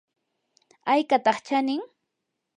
¿aykataq chanin?